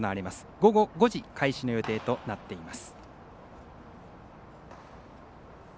午後５時開始の予定となっています。